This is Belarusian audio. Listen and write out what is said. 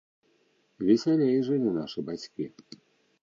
Весялей жылі нашы бацькі.